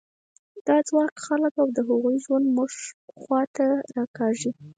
دا ځواک خلک او د هغوی ژوند موږ خوا ته راکاږي.